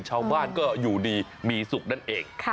ชาวบ้านก็อยู่ดีมีสุขนั่นเอง